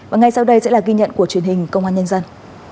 và ngay sau đây sẽ là ghi nhận của truyền hình công an nhân dân